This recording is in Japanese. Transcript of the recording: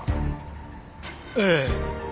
ええ。